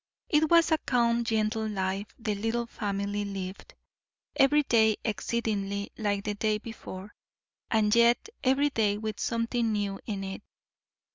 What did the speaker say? It was a calm, gentle life the little family lived; every day exceedingly like the day before, and yet every day with something new in it.